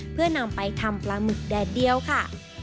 เพื่อนำไปทำปลาหมึกแดดเดียวค่ะ